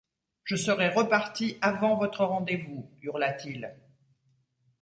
Je serai reparti avant votre rendez-vous ! hurla-t-il.